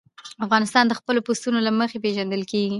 افغانستان د خپلو پسونو له مخې پېژندل کېږي.